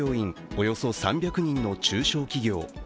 およそ３００人の中小企業。